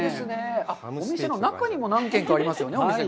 お店の中にも何軒かありますよね、お店が。